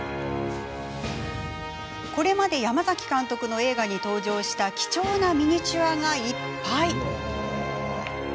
これまで山崎監督の映画に登場した貴重なミニチュアがいっぱい。